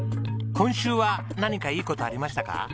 今週は何かいい事ありましたか？